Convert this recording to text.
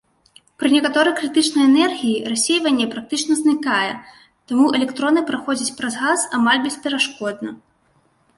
Пры некаторай крытычнай энергіі рассейванне практычна знікае, таму электроны праходзяць праз газ амаль бесперашкодна.